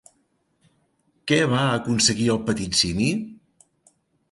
Què va aconseguir el petit simi?